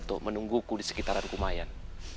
dan para dato menungguku di sekitaran kumayan